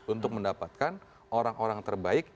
untuk mendapatkan orang orang terbaik